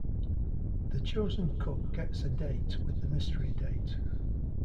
The chosen cook gets a date with the mystery date.